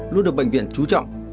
luôn được bệnh viện trú trọng